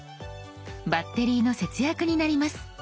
バッテリーの節約になります。